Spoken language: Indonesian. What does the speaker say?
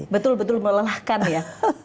betul betul melelahkan ya